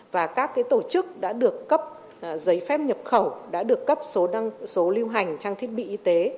và các tổ chức đã được cấp giấy phép nhập khẩu đã được cấp số lưu hành trang thiết bị y tế